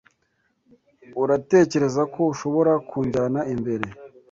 Uratekereza ko ushobora kunjyana imbere?